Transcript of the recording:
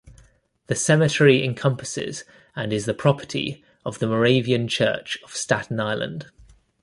The cemetery encompasses and is the property of the Moravian Church of Staten Island.